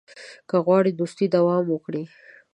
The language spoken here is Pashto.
که غواړې دوستي دوام وکړي.